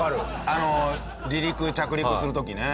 あの離陸着陸する時ね。